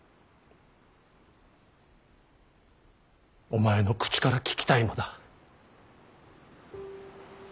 お前の口から聞きたいのだ。